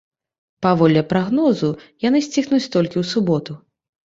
Паводле прагнозу, яны сціхнуць толькі ў суботу.